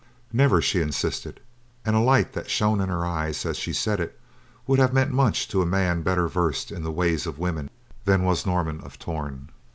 "Never," she insisted, and a light that shone in her eyes as she said it would have meant much to a man better versed in the ways of women than was Norman of Torn.